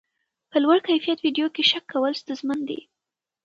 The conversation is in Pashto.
په لوړ کیفیت ویډیو کې شک کول ستونزمن دي.